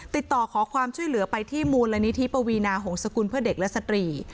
ติดต่อขอความช่วยเหลือไปที่มูลนิธิปวีนาหงษกุลเพื่อเด็กและสตรี